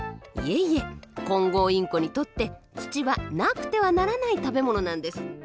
いえいえコンゴウインコにとって土はなくてはならない食べ物なんです。